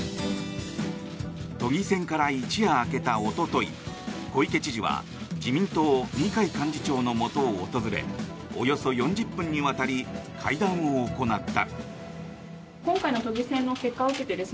都議選から一夜明けたおととい小池知事は自民党・二階幹事長のもとを訪れおよそ４０分にわたり会談を行った。